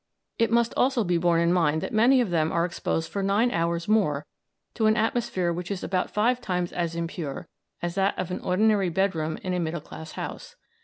It must also be borne in mind that many of them are exposed for nine hours more to an atmosphere which is about five times as impure as that of an ordinary bedroom in a middle class house.